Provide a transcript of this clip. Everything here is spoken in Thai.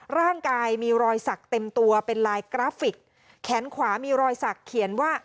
ร่างกายมีรอยสักเต็มตัวเป็นลายกราฟิกแขนขวามีรอยสักเขียนว่า